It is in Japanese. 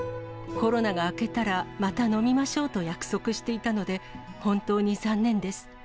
コロナが明けたらまた飲みましょうと約束していたので、本当に残念です。